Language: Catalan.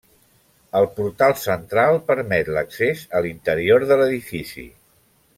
El portal central permet l'accés a l'interior de l'edifici.